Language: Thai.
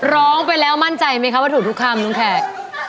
ร้องไปแล้วมั่นใจไหมคะว่าถูกทุกคำลุงแขก